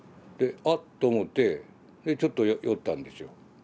であっと思ってでちょっと寄ったんですよ。